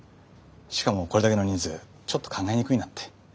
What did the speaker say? しかもこれだけの人数ちょっと考えにくいなって。